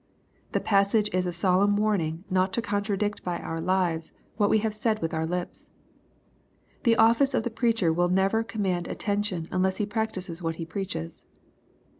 The passage is a solemn warning not to contradict by our lives what we have said with our lips. The office of the preacher will never command attention unless he practices what he preaches.